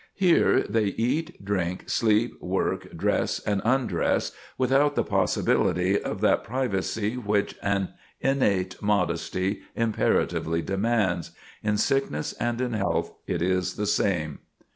Here they eat, drink, sleep, work, dress and undress, without the possibility of that privacy which an innate modesty imperatively demands. In sickness and in health it is the same.